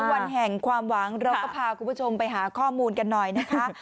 วันแห่งความหวังเราก็พาคุณผู้ชมไปหาข้อมูลกันหน่อยนะคะ